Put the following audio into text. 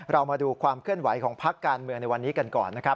เรามาดูความเคลื่อนไหวของพักการเมืองในวันนี้กันก่อนนะครับ